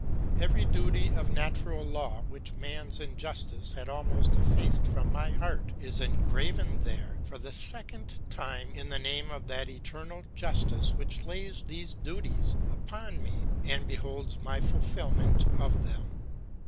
Every duty of natural law, which man's injustice had almost effaced from my heart, is engraven there, for the second time in the name of that eternal justice which lays these duties upon me and beholds my fulfilment of them.